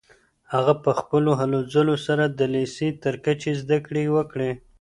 هغه په خپلو هلو ځلو سره د لیسې تر کچې زده کړې وکړې.